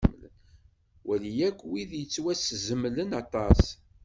Wali akk wid yettwaszemlen aṭas.